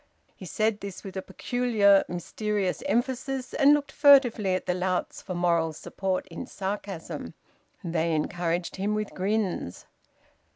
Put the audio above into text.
He said this with a peculiar mysterious emphasis, and looked furtively at the louts for moral support in sarcasm. They encouraged him with grins.